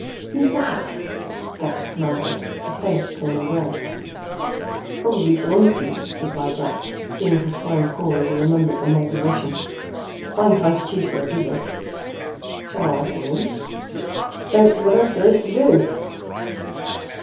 "Who's that?" gasped Manthis, his face turning grey. "Probably Solinski," replied Jack, feeling his spine crawl as he remembered the moldy Russian. "Fine time he chose for a visit." "Shall I let him in?" "Don't see what else there is to do."